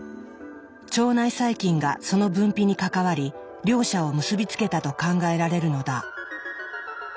腸内細菌がその分泌に関わり両者を結び付けたと考えられるのだ。